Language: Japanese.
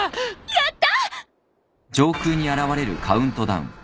やった！